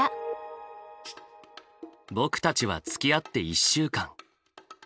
僕たちはつきあって１週間。